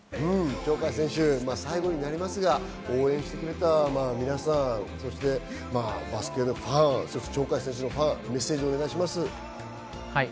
鳥海選手、最後に応援してくれた皆さん、バスケファン、鳥海選手のファンにメッセージをお願いします。